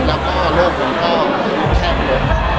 แล้วก็เรื่องหน่อยก็แค่ดู